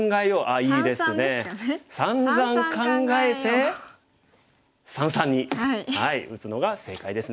さんざん考えて三々に打つのが正解ですね。